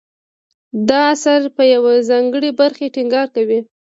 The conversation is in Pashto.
دا اثر په یوې ځانګړې برخې ټینګار کوي.